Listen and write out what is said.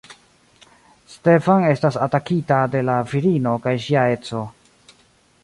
Stefan estas atakita de la virino kaj ŝia edzo.